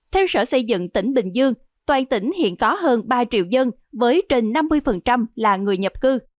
theo sở xây dựng tỉnh bình dương toàn tỉnh hiện có hơn ba triệu dân với trên năm mươi là người nhập cư